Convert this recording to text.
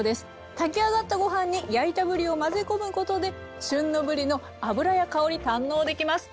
炊き上がったご飯に焼いたぶりを混ぜ込むことで旬のぶりの脂や香り堪能できます。